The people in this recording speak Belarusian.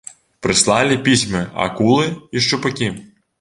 Прыслалі пісьмы акулы і шчупакі.